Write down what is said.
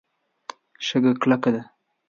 شګه کلکه ده.